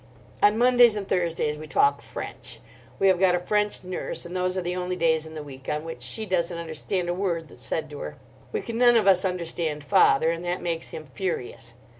On Mondays and Thursdays we talk French. We have got a French nurse; and those are the only days in the week on which she doesn't understand a word that's said to her. We can none of us understand father, and that makes him furious.